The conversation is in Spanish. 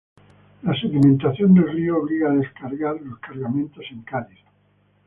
La sedimentación del río obligó a descargar los cargamentos en Cádiz.